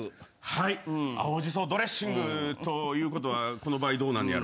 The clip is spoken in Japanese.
はい青じそドレッシングということはこの場合どうなんねやろ？